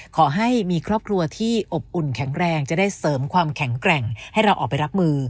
ขอให้มีครอบครัวที่อบอุ่นแข็งแรงจะได้เสริมความแข็งแกร่งให้เราออกไปรับมือ